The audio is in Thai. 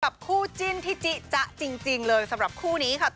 คู่จิ้นที่จิจ๊ะจริงเลยสำหรับคู่นี้ค่ะ